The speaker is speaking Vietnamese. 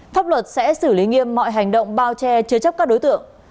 pháp luật sẽ xử lý nghiêm mọi hành động bao che chứa chấp các đối tượng